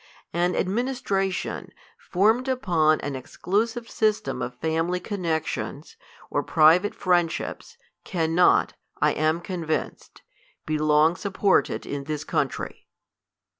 An adminis tration, formed upon an exclusive system of family con nexions, or private friendships, cannot, I am convinced, be long supported in this country.